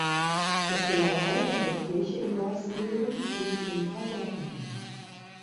Das genaue Alter der Kirche in Gorsleben liegt im Verborgenen.